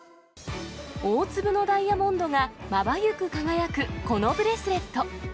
大粒のダイヤモンドがまばゆく輝く、このブレスレット。